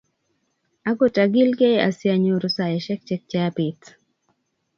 Agot agilgee asianyoru saishek chekyapeet